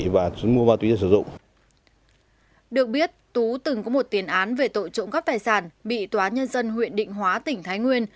và tội trộm cắt tài sản bị tòa nhân dân huyện định hóa tỉnh thái nguyên